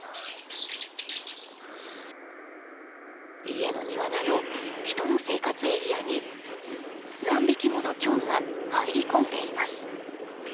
家の庭など人の生活エリアに何匹ものキョンが入り込んでいます。